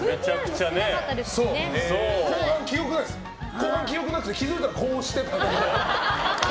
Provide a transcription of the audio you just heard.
後半、記憶なくて気づいたらこうしてた。